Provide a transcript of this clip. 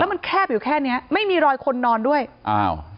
มันแคบอยู่แค่เนี้ยไม่มีรอยคนนอนด้วยอ้าว